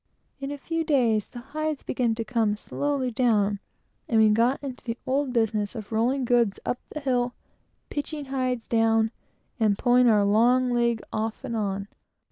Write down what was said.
In a few days the hides began to come slowly down, and we got into the old business of rolling goods up the hill, pitching hides down, and pulling our long league off and on.